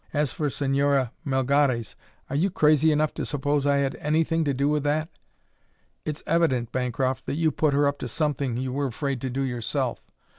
As for Señora Melgares, are you crazy enough to suppose I had anything to do with that?" "It's evident, Bancroft, that you put her up to something you were afraid to do yourself.